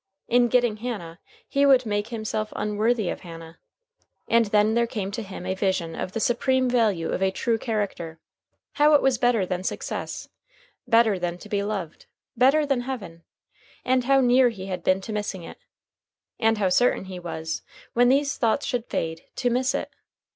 In getting Hannah, he would make himself unworthy of Hannah. And then there came to him a vision of the supreme value of a true character; how it was better than success, better than to be loved, better than heaven. And how near he had been to missing it! And how certain he was, when these thoughts should fade, to miss it!